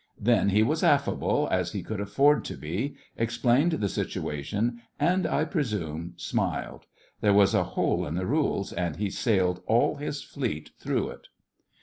Then he was affable, as he could afford to be, explained the situation, and I presume smiled. There was a 'hole in the rules,' and he sailed all his Fleet through it.